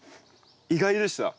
意外でした。